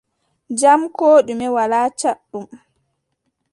Jam koo ɗume, walaa caɗɗum.